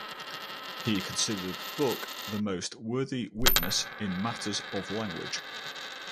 He considered Vuk the "most worthy witness" in matters of language.